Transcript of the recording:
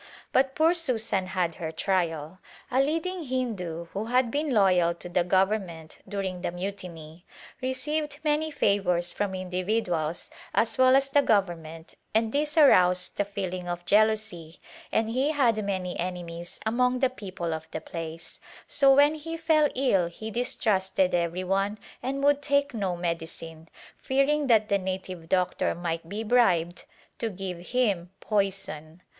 But poor Susan had her trial. A leading Hindu, who had been loyal to the government during the mutiny, received many favors from indi viduals as well as the government and this aroused a A Glimpse of India feeling of jealousy and he had many enemies among the people of the place, so when he fell ill he dis trusted every one and would take no medicine, fear ing that the native doctor might be bribed to give him poison.